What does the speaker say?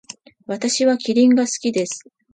私はキリンが好きです。